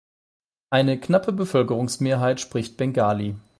Eine knappe Bevölkerungsmehrheit spricht Bengali.